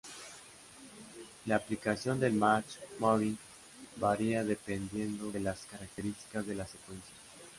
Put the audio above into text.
La aplicación del match moving varía mucho dependiendo de las características de la secuencia.